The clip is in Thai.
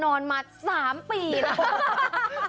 นอนมา๓ปีครับ